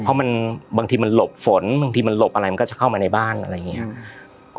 เพราะมันบางทีมันหลบฝนบางทีมันหลบอะไรมันก็จะเข้ามาในบ้านอะไรอย่างนี้